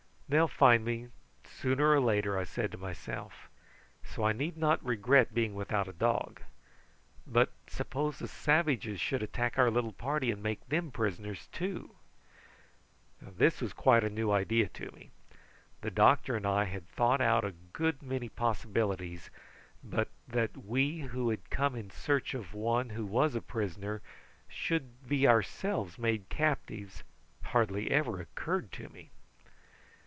"They'll find me out sooner or later," I said to myself; "so I need not regret being without a dog. But suppose the savages should attack our little party and make them prisoners too." This was quite a new idea to me. The doctor and I had thought out a good many possibilities; but that we, who had come in search of one who was a prisoner, should be ourselves made captives, hardly ever occurred to me.